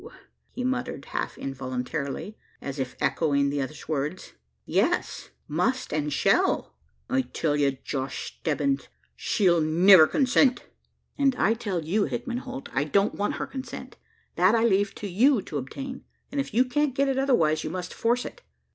he muttered, half involuntarily, as if echoing the other's words. "Yes, must and shall!" "I tell ye, Josh Stebbins, she'll niver consent." "And I tell you, Hickman Holt, I don't want her consent. That I leave you to obtain; and if you can't get it otherwise, you must force it.